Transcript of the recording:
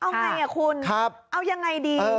เอาไงคุณเอายังไงดี